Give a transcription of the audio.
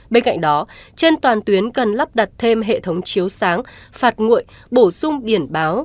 bên cạnh đó trên toàn tuyến cần lắp đặt thêm hệ thống chiếu sáng phạt nguội bổ sung biển báo